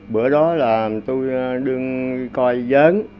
bữa đó là tôi đứng coi giớn